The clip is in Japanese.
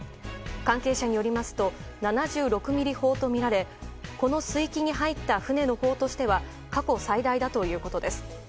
関係者によりますと７６ｍｍ砲とみられこの水域に入った船の砲としては過去最大ということです。